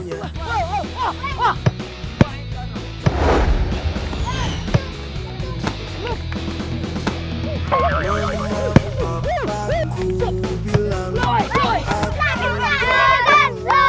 eh boleh kwe